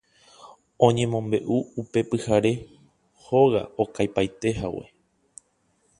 Oñemombe'u upe pyhare hóga okaipaitehague